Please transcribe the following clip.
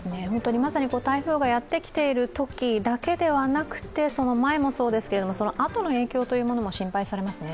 台風がやってきているときだけではなくて、その前もそうですけれども、そのあとへの影響というのも心配されますよね。